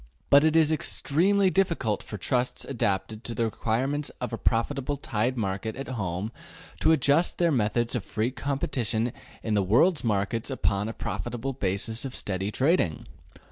But it is extremely difficult for trusts adapted to the requirements of a profitable tied market at home to adjust their methods of free competition in the world markets upon a profitable basis of steady trading.